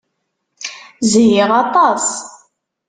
Zhiɣ aṭas.